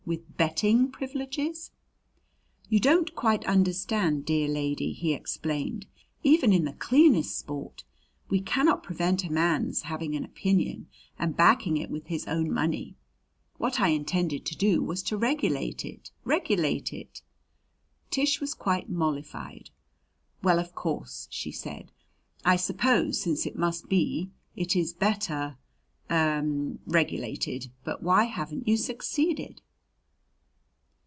"With betting privileges!" "You don't quite understand, dear lady," he explained. "Even in the cleanest sport we cannot prevent a man's having an opinion and backing it with his own money. What I intended to do was to regulate it. Regulate it." Tish was quite mollified. "Well, of course," she said, "I suppose since it must be, it is better er, regulated. But why haven't you succeeded?"